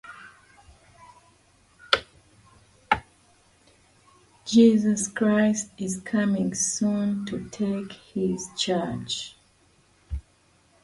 Jesus Christ sent his disciples into the world to preach his gospel.